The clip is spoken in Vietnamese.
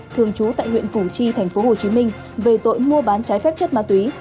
thường trú tại huyện củ chi tp hcm về tội mua bán trái phép chất ma túy